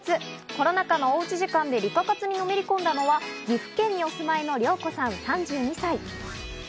コロナ禍のおうち時間でリカ活にのめり込んだのは岐阜県にお住まいの涼子さん、３２歳。